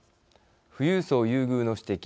富裕層優遇の指摘。